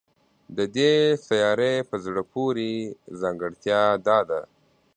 د دې سیارې په زړه پورې ځانګړتیا دا ده